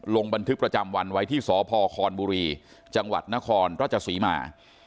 ลงบันทึกประจำวันไว้ที่สพคอนบุรีจังหวัดนครราชศรีมา